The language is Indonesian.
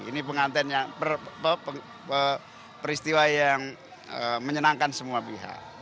ini pengantin yang peristiwa yang menyenangkan semua pihak